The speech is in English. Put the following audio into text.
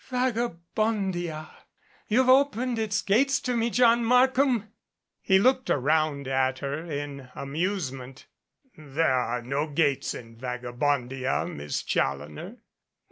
"Vagabondia! You've opened its gates to me, John Markham." 115 MADCAP He looked around at her in amusement. "There are no gates in Vagabondia, Miss Challoner."